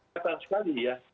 terlihat sekali ya